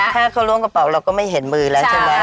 ถ้าเขาล้วงกระเป๋าเราก็ไม่เห็นมือแล้วใช่ไหม